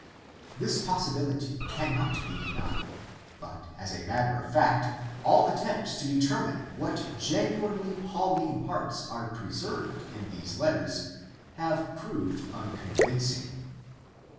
This possibility cannot be denied, but as a matter of fact all attempts to determine what genuinely Pauline parts are pre served in these letters have proved unconvincing.